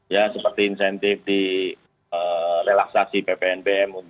ya seperti insentif di relaksasi ppnbm